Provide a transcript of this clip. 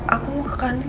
aku mau ke kantin